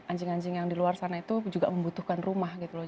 anjing anjing yang di luar sana itu juga membutuhkan rumah gitu loh